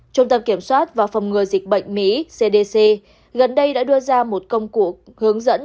trung tâm kiểm soát và phòng ngừa dịch bệnh mỹ cdc gần đây đã đưa ra một công cụ hướng dẫn